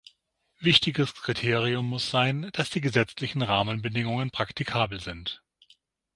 Wichtiges Kriterium muss sein, dass die gesetzlichen Rahmenbedingungen praktikabel sind.